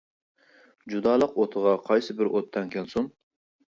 جۇدالىق ئوتىغا قايسى بىر ئوت تەڭ كەلسۇن!